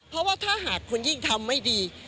เพราะว่าถ้าหากคุณยิ่งทำไม่ดี